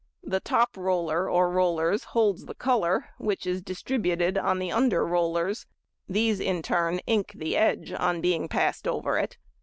The top roller or rollers holds the colour, which is distributed on the under rollers; these, in turn, ink the edge on being passed over it.